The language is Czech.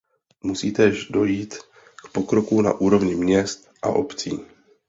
Musí též dojít k pokroku na úrovni měst a obcí.